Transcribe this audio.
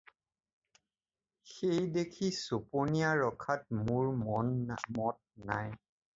সেই দেখি চপনীয়া ৰখাত মোৰ মত নাই।